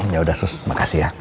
ya udah makasih ya